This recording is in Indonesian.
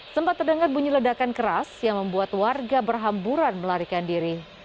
sempat terdengar bunyi ledakan keras yang membuat warga berhamburan melarikan diri